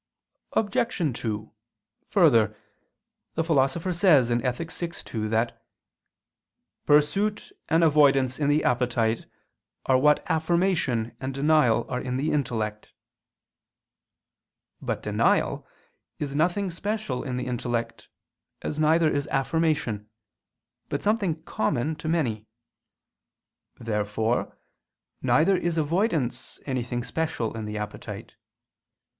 Obj. 2: Further, the Philosopher says (Ethic. vi, 2) that "pursuit and avoidance in the appetite are what affirmation and denial are in the intellect." But denial is nothing special in the intellect, as neither is affirmation, but something common to many. Therefore neither is avoidance anything special in the appetite.